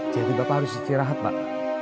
jadi bapak harus istirahat pak